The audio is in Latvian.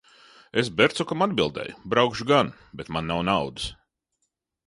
Es Bercukam atbildēju: Braukšu gan, bet man nav naudas.